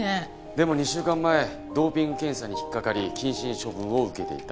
でも２週間前ドーピング検査に引っかかり謹慎処分を受けていた。